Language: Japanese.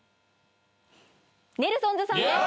ネルソンズさんです！